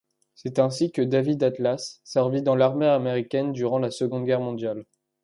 C'est ainsi que David Atlas servit dans l'armée américaine durant la Seconde Guerre mondiale.